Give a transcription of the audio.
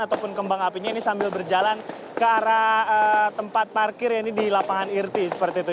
ataupun kembang apinya ini sambil berjalan ke arah tempat parkir yang ini di lapangan irti seperti itu